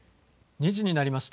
２時になりました。